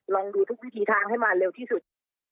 ลองดูทุกวิถีทางให้มาเร็วที่สุด